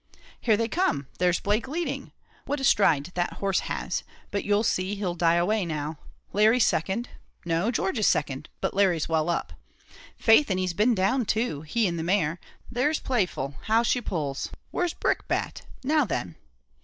"Here they come! there's Blake leading. What a stride that horse has! but you'll see he'll die away now. Larry's second no, George is second, but Larry's well up." "Faith, and he's been down too he and the mare. There's Playful, how she pulls where's Brickbat? now then!"